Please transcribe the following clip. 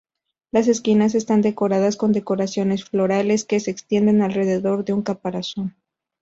Las esquinas están decoradas con decoraciones florales que se extienden alrededor de un caparazón.